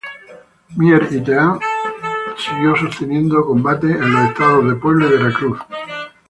Mier y Terán siguió sosteniendo combates en los estados de Puebla y Veracruz.